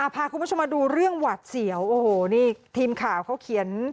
พาคุณผู้ชมมาดูเรื่องหวัดเสียวโอ้โหนี่ทีมข่าวเขาเขียน